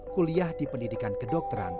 kuliah di pendidikan kedokteran